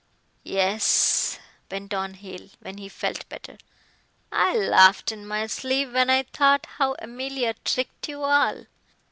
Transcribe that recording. Yes," went on Hale, when he felt better, "I laughed in my sleeve when I thought how Emilia tricked you all.